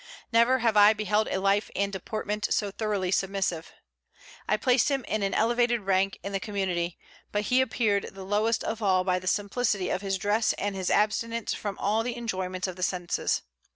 Never have I beheld a life and deportment so thoroughly submissive. I placed him in an elevated rank in the community, but he appeared the lowest of all by the simplicity of his dress and his abstinence from all the enjoyments of the senses.